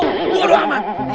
gue udah aman